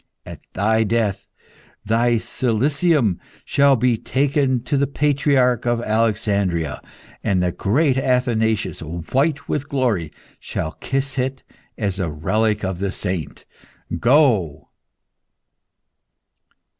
At thy death thy cilicium shall be taken to the patriarch of Alexandria, and the great Athanasius, white with glory, shall kiss it as the relic of a saint. Go!"